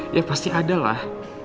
ya pasti ada lah